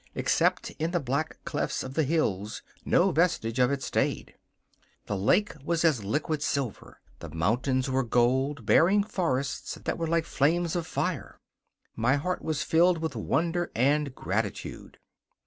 Except in the black clefts of the hills, no vestige of it stayed. The lake was as liquid silver; the mountains were gold, bearing forests that were like flames of fire. My heart was filled with wonder and gratitude.